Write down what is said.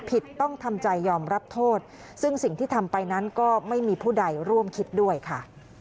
ต้องทำใจยอมรับโทษซึ่งสิ่งที่ทำไปนั้นก็ไม่มีผู้ใดร่วมคิดด้วยค่ะ